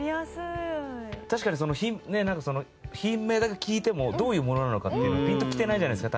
確かに品名だけ聞いてもどういうものなのかっていうのピンときてないじゃないですか